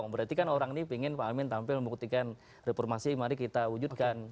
berarti kan orang ini ingin pak amin tampil membuktikan reformasi mari kita wujudkan